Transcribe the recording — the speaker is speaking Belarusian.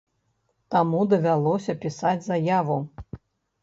Таму давялося пісаць заяву.